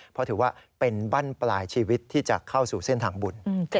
เพราะถือว่าเป็นบ้านปลายชีวิตที่จะเข้าสู่เส้นทางบุญ